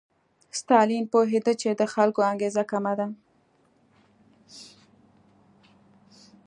ستالین پوهېده چې د خلکو انګېزه کمه ده.